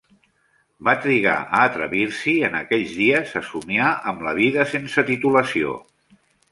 Va trigar a atrevir-s'hi en aquells dies a somiar amb la vida sense titulació.